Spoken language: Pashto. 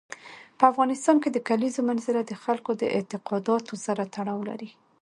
په افغانستان کې د کلیزو منظره د خلکو د اعتقاداتو سره تړاو لري.